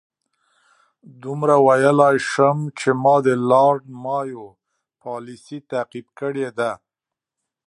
دومره ویلای شم چې ما د لارډ مایو پالیسي تعقیب کړې ده.